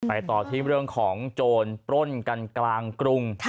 ต่อที่เรื่องของโจรปล้นกันกลางกรุง